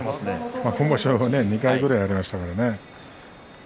今場所２回くらいありましたからね。